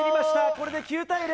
これで９対０。